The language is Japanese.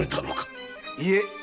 いえ。